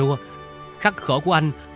cái đau khổ của anh